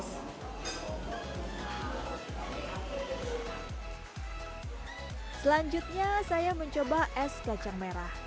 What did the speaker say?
selanjutnya saya mencoba es kacang merah